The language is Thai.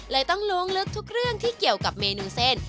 ต้องล้วงลึกทุกเรื่องที่เกี่ยวกับเมนูเส้น